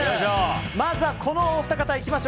まずはこのお二方いきましょう。